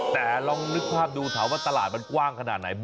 แต่ลองนึกภาพดูถามว่าตลาดมันกว้างขนาดไหน